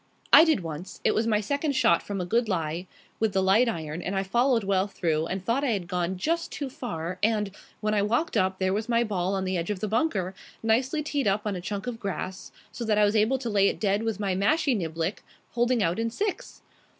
"I did once. It was my second shot, from a good lie, with the light iron, and I followed well through and thought I had gone just too far, and, when I walked up, there was my ball on the edge of the bunker, nicely teed up on a chunk of grass, so that I was able to lay it dead with my mashie niblick, holing out in six.